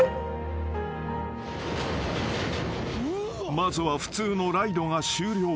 ［まずは普通のライドが終了］